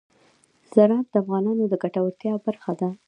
زراعت د افغانانو د ګټورتیا برخه ده.